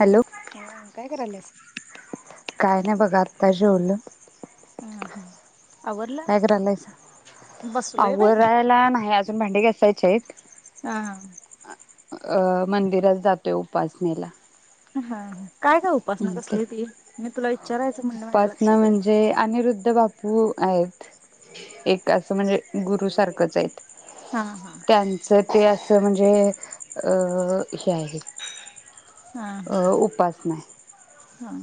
Hello. हा काय करायल्यास? काय नाही बघा आत्ता जेवलो. हा हा आवरलं काय करायलासा? बसलोय बाई ना. आवरायला नाही अजु भांडे घासायचेत हा. अ मंदिरात जातोय उपासनेला. हा, हा. काय ग उपासना हम्म, ते कसली ती? मी तुला विचारायचं म्हणलं माझ्या उपासना लक्षातच नाई. म्हणजे अनिरुद्ध बापू आहेत. एक असं म्हणजे गुरु सारखंच आहेत. हा हा त्यांचं ते अस [unintelligible] म्हणजे अ हे आहे हा अ हा उपासना हा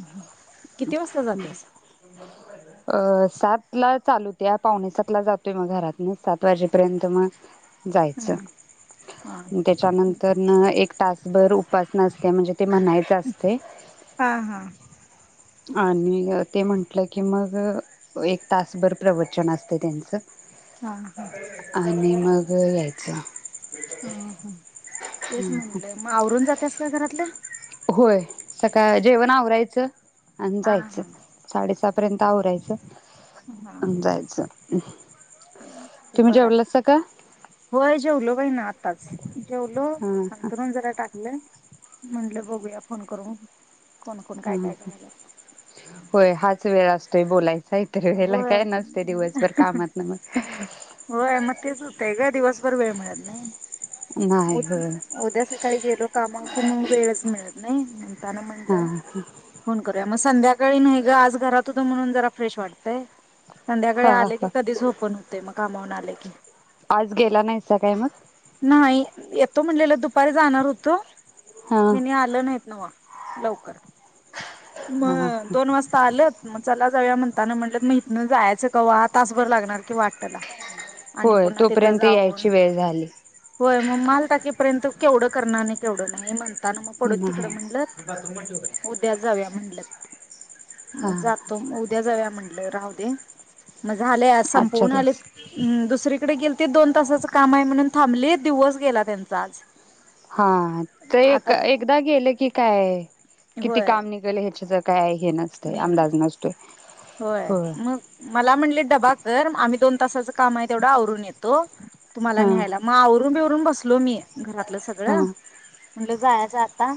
हाय. किती वाजता हम्म. जात्यास? अ सातला चालू होत्या पावणे सातला जातोय मग घरातनं. सात वाजेपर्यंत मग जायच हा हा. त्याच्यानंतरन एक तासभर उपासना असत्या म्हणजे ते म्हणायच असतंय. हा हा. आणि ते म्हटलं की मग एक तासभर प्रवचन असते त्यांचं. हा हा आ आणि मग यायचं. हं, हं तेच म्हणलं. मग आवरून जात्यास का घरातलं? होय सकाळ जेवण आवरायचं आणि हा जायचं. हा साडेसात पर्यंत आवरायचं हा आणि जायचं. [inaudible] ते तुम्ही बरं आहे. जेवलासा का होय जेवलो बाईना आताच. जेवलो हां हां अंथरून जरा टाकलंय म्हंटलं बघूया फोन करून. कोण कोण हा, काय काय हा, करायल्यात. होय हा वेळ असतोय बोलाय नाय तर गेलाय तर हे काय नसते दिवसभर होय. कामात ना मग होय म तेच होते आहे ग दिवसभर वेळ मिळत नाही नाही होय उद्या सकाळी गेलो कामा कि मग वेळच मिळत नाही म्हणताना म्हणलंय हां फोन करूया मग संध्याकाळी नाही ग आज घरात होत म्हणून जरा फ्रेश वाटतंय संध्याकाळी हां आले हां की कधीच झोपून होते मग कामवुण आले की आज गेला नाही स काही मग नाही येतो म्हणलेला दुपारी जाणार होतो हां हे नाही आलं नाहीत नव लवकर हा मग दोन वाजता आले मग चला जाऊया म्हणताना म्हटलं मग इथनं जायचं कवा तासभर लागणार की वाटतला होय तोपर्यंत यायची वेळ झाली होय मग माल टाकीेपर्यंत केवढं करणार केवढं नाही म्हणत त्यांना म्हटलं मग पडू तिकडं नाही म्हणलत उद्या जाव्या म्हणलत हा मग जातो उद्या जाव्या म्हण म्हटलं राहू दे मज आलेय आज आजच्या संपवण आले दिवस दुसर तिकडे गेल ते दोन ताच काम आहे म्हणून थांबली दिवस गेला त्यांचा आज हा ते एक आता एकदा गेले की काय किती होय काम निघल ह्याच्या ज काय? हे नसतंय नेम नाही अंदाज नसतोय होय मग मला म्हणले डबा कर आम्ही दोन तासाच काम आहे तेवढा आवरून येतो तुम्हाला हा न्यायला करून बसलो मी घरातलं सगळं हा म्हणलं जायचा आता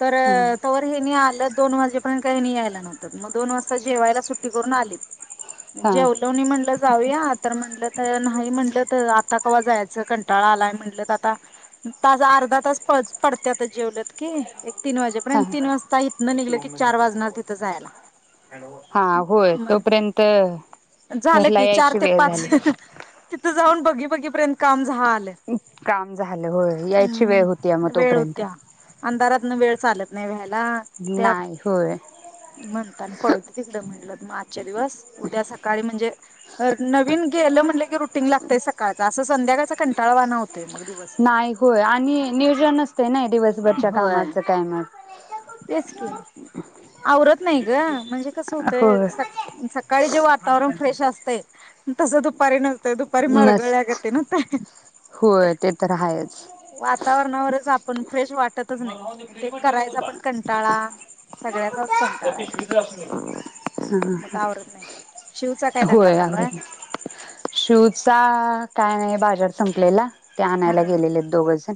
तर हा तवर हे नि आलं त दोन वाजे पर्यंत त्यांनी यायला नव्हतं मग दोन वाजता जेवायला सुट्टी करून आलेत हा जेवलो नी म्हणलं जाऊया? तर म्हटलं तर नाही म्हटलं तर आता कव्हा जायचं? कंटाळा आलाय म्हटलं तर आता तास अर्धा तास प पडत्यात जेवलत की? एक तीन वाजेपर्यंत तीन हा वाजता इथनं निघलं की चार वाज हा होय मग तोपर्यंत झालं घरला की चार यायची ते वेळ पाच झाली ह हा तिथं जाऊन बघी बाघेपर्यंत काम झालं. आम् काम झालं, होय यायची अम् वेळ होतीया मग वेळ तोपर्यंत होत्या अंधारातन वेळ चालत नाही नाही होय म्हणता पडूदे तिकडं म्हणलं मग आजच्या दिवस उद्या सकाळी म्हणजे नवीन गेलं म्हणलं की रुटीन लागतंय सकाळचा असं संध्याकाळचा कंटाळा वाना होत नाही होय आणि नियोजन असते नाय दिवस घरच्या होय. कामाचं काय मग? तेच की आवरत नाही ग म्हणजे? कस होतय होय सकाळी जे वातावरण फ्रेश असतय तसं दुपारी नसतं दुपारी नस मरगळल्या गतीन व्हतं ह हा होय ते तर हायच पण फ्रेश वाट वाटतच नाही म ते करायचा पण कंटाळा सगळ्याचाच कंटाळा येतोय? मग ह आवरत नाही शिवचा काय दंगा होय चालू आहे? आवरायला शिवचा काय नाही बाजार संपलेला ते हा आणायला गेलेलेत दोघजण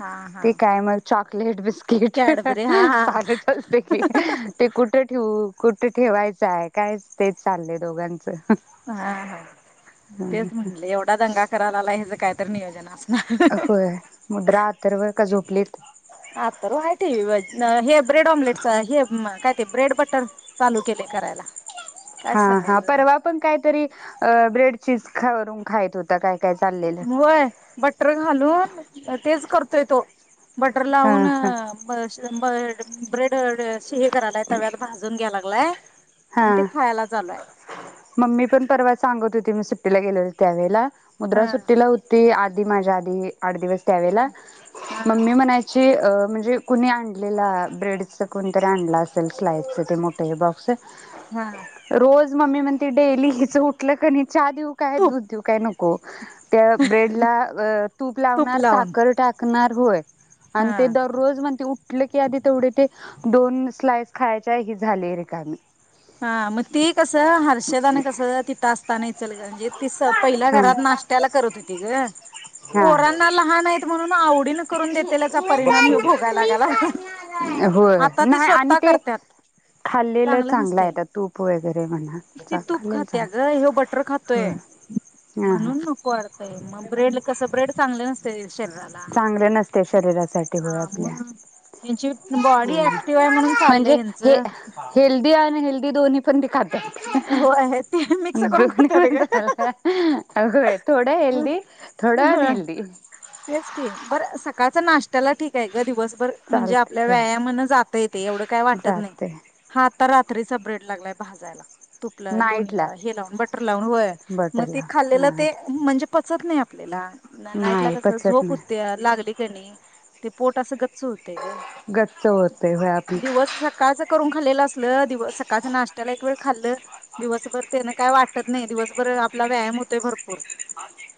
हा हा ते काय मग चोक प्लेट बीस किट हाह हह कॅडबरी हा हा आ चालायचं असते हाह हा की ते कुठे ठेऊू? कुठे ठेवायचं आहे काय तेच चालले दोघांचं हा हा तेच म्हणले एवढा दंगा करायला आला हेच काय तर नियोजन अस होय मुद्रा, अथर्व का झोपलीत? न हे ब्रेड ऑमलेट च हे आम् काय ते ब्रेड बटर चालू केले करायला काय हा हा सांगायचं परवा पण कायतरी? अ ब्रेड चीज करून खात होता काय? काय चाललेलं होय बटर घालून तेच करतोय तो बटर हा लावून हा अ श बड ब्रेड करायला तव्यात भाजून घ्याय लागलाय हा आणि ते खायला चालू आहे मम्मी पण परवा सांगत होती मी सुट्टीला गेलेलो त्या त्यावेळेला मुद्रा हा सुट्टीला होती आ आदी माजा आधी आठ दिवस त्या्यावेळेला हा मम्मी म्हणायची जे म्हणजे कुणी आणलेलं ब्रेडचं कोणीतरी आणलं असेल स्लाईसचं ते मोठं हे बॉक्स हा रोज मम्मी म्हणती डेली हिच उठलं क नाही चहा देऊ काय? तूप दूध देऊ काय? नक हो त्या ब्रेड ला तूप लावणार साखर टाकणार होय आणि हा ते दररोज म्हण ते म्हटल की आधी तेवढे ते दोन स्लाईस खायच्या ह झाले रे हा मग ती कसं? हर्षदाने कस? तिथं असताना इचलकरंजीत ती स पहिल्या हा घरात नाश्त्याला करत होती ग हा पोरांना लहान आहेत म्हणून आवडीने करून देत त्याचा परिणाम हे भोगायलागाला होय आता ती नाही आणि स्वतः करतत चांगलं नसत. नाही तूप वगैरे म्हणा तूप खाल्लेले खात्या ग ह्यो चांगले [unintelligible] म्हणून नको वाढतय मग ब्रेड कस ब्रेड चांगलं नसतय शरीराला चांगलं नसते शरीरासाठी होय हा आपल्या मग यांची द्या की बॉडी ऍक्टिव्ह बघणार म्हणून आहे चाललंय म्हणजे हे ह्यांचं हेल्दी [unintelligible] हेल्दी दोन्ही पण खात होय ते [unintelligible] मिक्स करून दोन्ही पण खात्यात झालं अय थोड हेल्दी थोडं ग अन हेल्दी तेच की बरं सकाळचा नाश्त्याला ठीक आहे ग दिवस बर म्हणजे आपल्या चालते होय व्यायामाने जाता येतय. एवढ काय वाटत नाही जाते हा आता रा? रात्रीचा ब्रेड लागलाय भाजायला. तूप लाव लोणी नाईटला लाव हे लावून बटर लावून व्हय मग ते बटरला खाल्लेलं हा ते म्हणजे पचत नाही आपल्याला ना नाईट ला नाही कस पचत झोप नाही होतिया लागली कणी ते पोटं अस गच्च च होतय ग गच्च होतय होय आपलं दिवस सकाळच करून खाल्लेलं असल दिव सकाळच्या नाशट्याला एक वेळ खाल्लं दिवसभर तेन काय वाटत नाही. दिवसभर आपला व्यायाम होतोय भरपूर.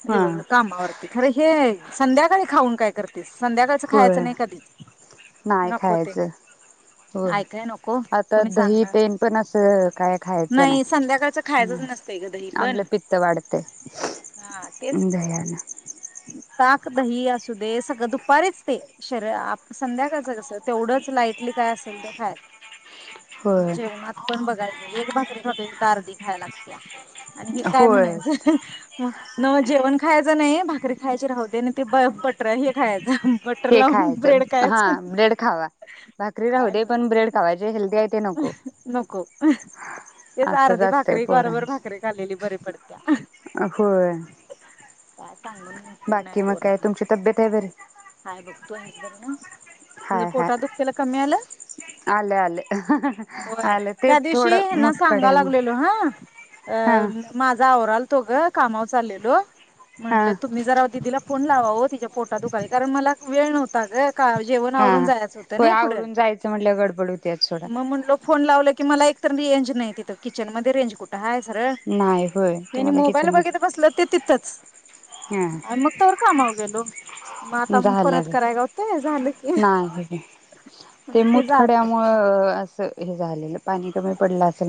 हा दिवस कामावरती खरय हे संध्याकाळी खाऊन काय करतीस? होय नाही नको ते खायचं होय ऐकाय नको आता कुणी दही सांगणार तेन पण अस काय? नाही संध्याकाळचं खायचंच नसतंय ग दही पण आपलं पित्त वाढतय हा तेच दह्यान ताक दही असू दे सगळं दुपारीच ते शरीर आ संध्याकाळचं कसं तेवढंच लाईटली काय असल ते खायाच. होय जेवणात पण बघायचं. एक भाकरी खातोय तित अर्धी खायाय लागतीया. आणि हे काय होय म्हणायचं मग? नव जेवण खायचं नाही, भाकरी खायची राहुदे आणि ते बटर हे खायचं. बटर हे लावून खायचं ब्रेड हा खायचं ब्रेड खावा भाकरी राहू काय दे नव्ह पण ब्रेड खावा जे हेल्दी हाय. नको तेच असंच अर्धी असतंय भाकरी कोरभर पोरांचं. भाकरी खालेली बरी पडतीया. होय काय? सांगून उपयोग नाय बाकी मग काय पोरासनी, तुमची तब्येत आहे बरी? हाय बघ तू हाइस बरी न्हव तुझ्या हाय हाय पोटात दुखतेल कमी आलं. आलं आलं होय आलं ते त्या दिवशी थोडं ह्यांना मुतखड आहे मग सांगायलेलो हा हा अ माझा वर आलतो ग कामावर चाललेलो. हा म्हटलं तुम्ही जरा दिदीला फोन लावा ओ तिच्या पोटात दुखायलय कारण मला वेळ न्हवता ग. का जेवण हा आवरून हा जायचं होय आवरून जायच म्हटल्यावर गडबड होतीया. म म्हणलो फोन लावलाय. की मला एक तर रेंज नाय तिथ किचन मध्ये रेंज कुठ हाय? सरळ नाही होय त्यांनी तुम्हाला मोबाईल किचन बघित मध्ये बसलत, ते तिथच हा आणि मग तवर कामावर हॅलो म आता झालं परत रे कराय गावतय झाल की नाही ते जातय. अस हे झालेल पाणी कमी पडल असल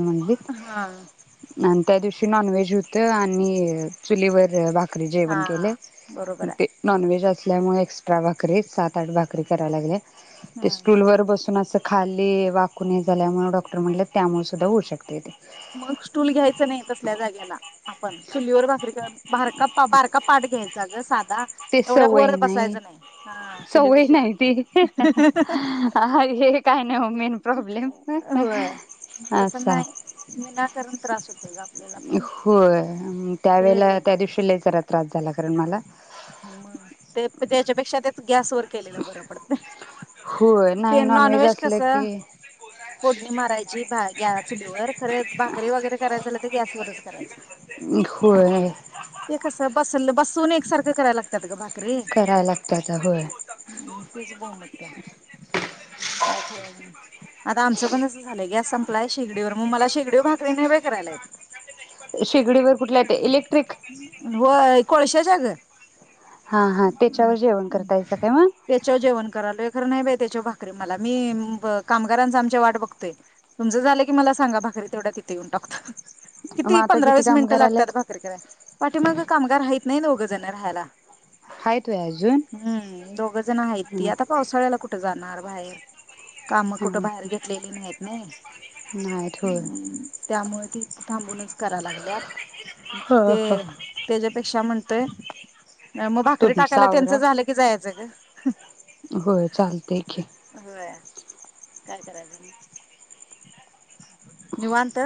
हा म्हणलीत आणि त्या दिवशी नॉन व्हेज होत आणि चुलीवर भा जेवण केलय हा बरोबर ते आहे नॉनव्हेज असल्यामुळे एक्स्ट्रा भाकरी सात आठ भाकरी करायला लागल्या. ते हा स्टूलवर बस अन अस खाल्ली वाकूून हे झाल्यामुळे डॉक्टर म्हटल त्यामुळे सुद्धा होऊ शकतय ते. मग स्टूल घ्यायच नाय तसल्या जाग्याला आपण चुलीवर भाकरी कर भारका बारका पाठ घ्यायचा ग साधा ते एवढ्या सवय वर नाही बसायचं हा सवय चुलीपेक्षा नाही ती अ हे काय नाय मेन प्रॉब्लेम होय तसं असा नाही विनाकारण त्रास होतोय ग आपल्याला पण होय त्या ते वेळेला त्या दिवशी लय जरा त्रास झाला कारण मला [unintelligible] मग ते त्याच्यापेक्षा तेच गॅसवर केलेल बर पडतय होय नाही ते नॉन नॉनव्हेज व्हेज असलं कस की फोडणी मारायची भा ग चुलीवर खर भाकरी वगैरे करायच झाल त गॅसवरच करायच होय ते कस बसल बस चून एकसारख करायला लागत्यात ग भा करी करायला लागतं आता होय तेच बोंब होतीया काय खरायच नाय. आता आमच पण अस झालय गॅस संपलाय शेगडीवर म मला शेगडीवर भाकरी नाय बाय करायला येत शेगडीवर कुठल्या ते इ व्हय कोळश्याच्या ग. हा हा त्याच्यावर जेवण करतायसा काय मग? खर नाही बाई त्याच्यावर भाकरी मला मी कामगारांचा आमच्या वाट बघतोय तुमच झाल की मला सांगा भाकरी तेवढा तिथे येऊन टाकतो. मग किती आता पंधरा वीस मिनिट कामगार लागत्यात आल्यात भाकरी कराय पाठीमाग कामगार हाईत नाय दोघ जण राहायला. आहेत व्हय अजून हम्म दोघजण हायत ती आता पावसाळ्याला कुठ जाणार. बायर काम कुठ हा बाहेर घेतलेली नाहीत ना नाहीत होय अम् त्यामुळ ती थांबूनच करा लागल्यात ह ह ते त्याच्यापेक्षा म्हट ते मग भाकरी तुमचा टाकायला त्यांचं आवरा झालं की जायचं ग होय चालतंय की हो. काय करायच म? निवांत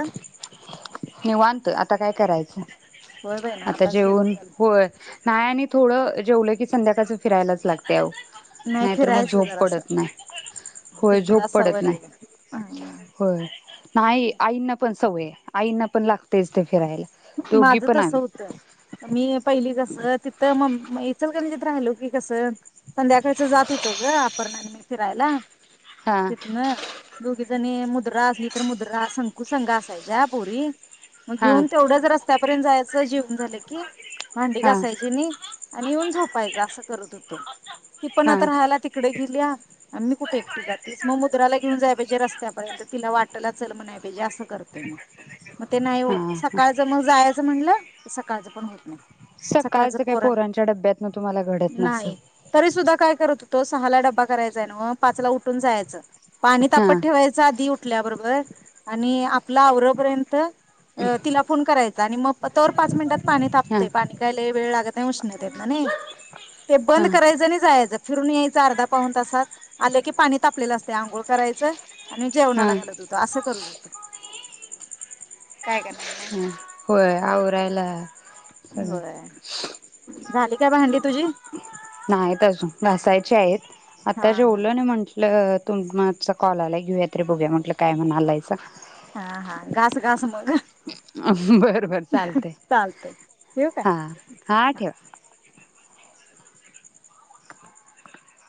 मी निवांत आता काय करायचं? होय बाई ना आता आताच जेवण जेवन झालं होय. नाय आणि थोडं जेवलं की संध्याकाळच फिरायलाच लागतय आहो. नाही नाय तर मग फिरायचं झोप जरा असं पडत नाय ते होय तुला झोप पडत सवय नाय लागल्या ह होय नाही आईंना पण सवय आईंना पण लागतेच ते फिरायला. दोघी माझं पण तस आम्ही होतं. मी पहिली कस तिथं म म्मी चलगलीत राहिलो की कसं संध्याकाळचं जात होतं ग अपर्णा आणि मी फिरायला हा तितन दोघीच जणी मुद्रा असली तर मुद्रा, संकु संघ असायच्या पोरी मग हा घेऊन रस्त्यापर्यंत जायचं जेवून झालं की, भांडी हा घासायचीनी आणि येऊन झोपायचं असं करत होतो. ती पण हा आता राहायला तिकडे गेलीया आणि मी कुठ एक एकटी जातेस म मुद्राला घेऊन जाय पाहिजे रस्त्यापर्यंत त तिला वाटला चल म्हणया पाहिजे असं करतोय म म ते नाही हा होत. हा सकाळच म जायाचं म्हणलं सकाळचं पण होत नाय. सकाळचं काही पोरांच्या डब्यातन तुम्हाला घडत नसल. तो सहाला डबा करायचाय नव्ह, पाचला उठून जायांच. पाणी हा तापत ठेवायचं आधी उट उठल्याबरोबर आणि आपल आवरपर्यंत अ तिला फोन करायचा आणि मग तोवर पाच मिनिटात पाणी हा तापतय पाणी काय लय वेळ लागत उष्णतेतना नाय ते हा बद करायचं आणि जायचं. फिरून यायचं अर्धा पाऊन तासात आलं की, पाणी तापलेलं असते आंघोळ करायचं आणि हा जेवणाला घालत होतो असं करत होत. काय कणार म ओ राहिला होय. झाली काय भांडी तुझी नाहीत अजून घासायची आहेत हा आता हा जेवलो आण म्हंटलं तु मा चा कॉल आलाय घेऊया तरी बघुया म्हटलं काय म्हणालायसा हा हा घास घास मग बर बर चालतय चालतय ठेवू काय हा हा ठेव.